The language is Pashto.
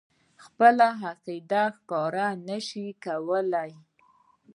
خپله عقیده ښکاره نه شي کولای.